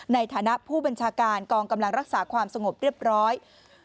ในฐานะผู้บัญชาการกองกำลังรักษาความสงบเรียบร้อย